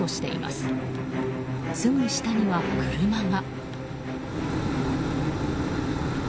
すぐ下には、車が。